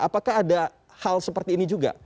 apakah ada hal seperti ini juga